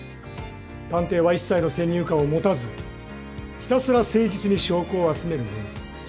探偵は一切の先入観を持たずひたすら誠実に証拠を集めるのみ。